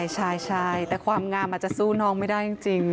ใช่แต่ความงามอาจจะสู้น้องไม่ได้จริง